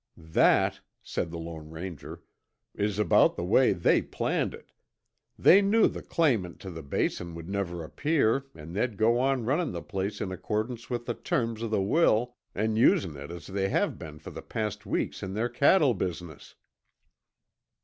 "That," said the Lone Ranger, "is about the way they planned it. They knew the claimant to the Basin would never appear and they'd go on running the place in accordance with the terms of the will and using it as they have been for the past weeks in their cattle business."